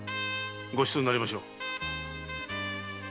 ごちそうになりましょう。